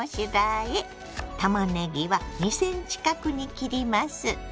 たまねぎは２ｃｍ角に切ります。